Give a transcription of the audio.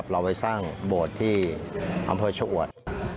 เราไปสร้างโบสถ์ที่อำเภอชะอวด